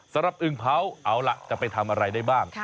สำหรับอึงเภาเอาละจะไปทำอะไรได้บ้าง